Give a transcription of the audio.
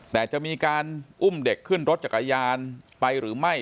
แต่จะมีการอุ้มเด็กขึ้นรถจักรยานไปหรือไม่